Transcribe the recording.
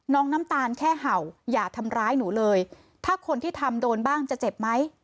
น้ำตาลแค่เห่าอย่าทำร้ายหนูเลยถ้าคนที่ทำโดนบ้างจะเจ็บไหม